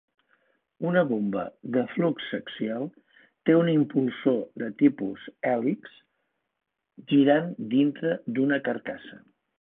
Una bomba de fluix axial té un impulsor de tipus hèlix girant dintre d'una carcassa.